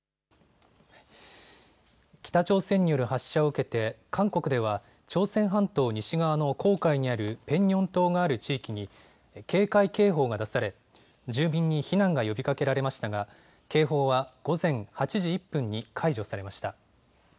北朝鮮による発射を受けて韓国では朝鮮半島西側の黄海にあるペンニョン島がある地域に警戒警報が出され住民に避難が呼びかけられましたが警報は午前８時１分に解除されました。